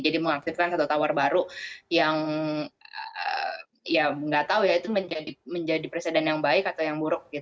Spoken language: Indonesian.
jadi mengaktifkan satu tower baru yang ya nggak tahu ya itu menjadi presiden yang baik atau yang buruk